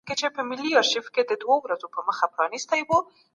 ارسطو ويل چې انسان د ښار په دننه کې د ژوند لپاره پيدا دی.